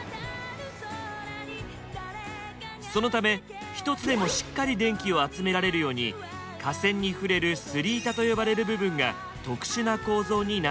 そのため一つでもしっかり電気を集められるように架線に触れるすり板と呼ばれる部分が特殊な構造になっているそうです。